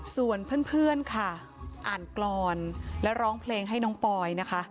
ส่วนเพื่อนค่ะอ่านกรอนและร้องเพลงให้น้องปอยนะคะ